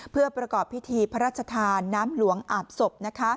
เพื่อประกอบพิธีพระราชทานน้ำหลวงอาบศพ